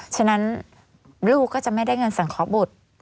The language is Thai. ฉะนั้นลูกก็จะไม่ได้เงินสังเคาะบุตร